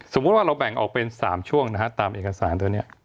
ว่าเราแบ่งออกเป็น๓ช่วงนะฮะตามเอกสารตัวนี้